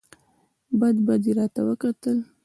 بد بد یې راته وکتل !